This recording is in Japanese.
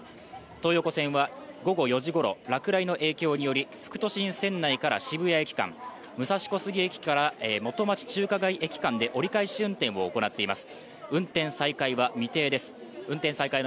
東横線は午後４時ごろ、落雷の影響により副都心線内から渋谷駅間、武蔵小杉駅から元町・中華街駅間で折り返し運転を行っています。